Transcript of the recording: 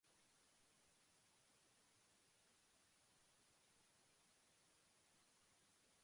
In conclusion, employee retraining is a vital component of organizational success.